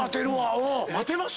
待てます